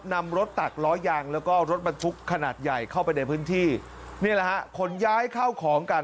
นำรถตักล้อยางแล้วก็รถบรรทุกขนาดใหญ่เข้าไปในพื้นที่นี่แหละฮะขนย้ายเข้าของกัน